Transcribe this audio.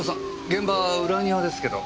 現場は裏庭ですけど？